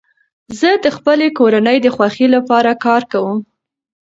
زه د خپلي کورنۍ د خوښۍ له پاره کار کوم.